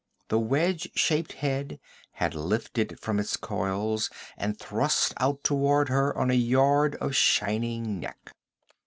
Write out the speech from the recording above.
The wedge shaped head had lifted from its coils and thrust out toward her on a yard of shining neck.